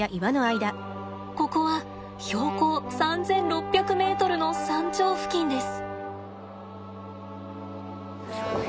ここは標高３，６００ｍの山頂付近です。